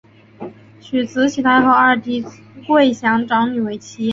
娶慈禧太后二弟桂祥长女为妻。